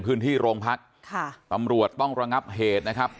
พื้นที่โรงพักฯค่ะน่าปำหรือว่าต้องระงับเหตุนะครับ